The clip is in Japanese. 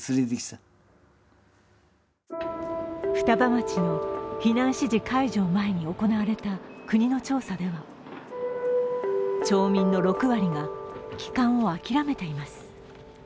双葉町の避難指示解除を前に行われた国の調査では町民の６割が帰還を諦めています。